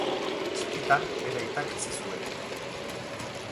Txikitan bere aitak hezi zuen.